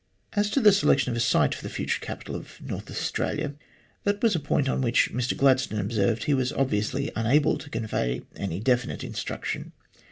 As to the selection of a site for the future capital of North Australia, that was a point on which, Mr Gladstone observed, he was obviously unable to convey any definite instruction.